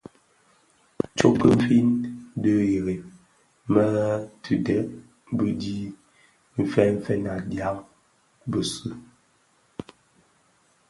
Tsok ki fin dhi ireb më tidhëk bidhi fènfèn a dyaň bisu u.